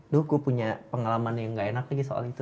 loh gue punya pengalaman yang gak enak lagi soal itu